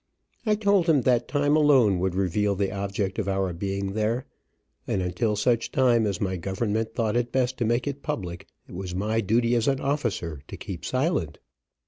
I told him that time alone would reveal the object of our being there, and until such time as my government thought it best to make it public, it was my duty as an officer, to keep silent.